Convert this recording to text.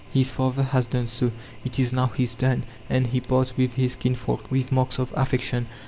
His father has done so, it is now his turn; and he parts with his kinsfolk with marks of affection.